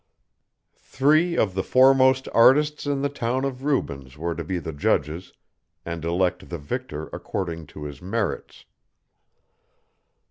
Three of the foremost artists in the town of Rubens were to be the judges and elect the victor according to his merits.